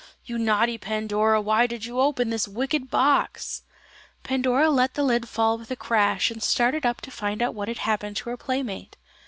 You naughty Pandora, why did you open this wicked box?" Pandora let the lid fall with a crash and started up to find out what had happened to her playmate.